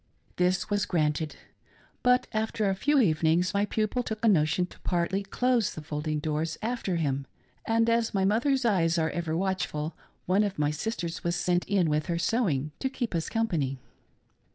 This was granted. But after a few evenings my pupil took a notion to partly close the folding doors after him, and as mothers' eyes are ever watchful, one of my sisters was sent' in with her sewing to keep us company.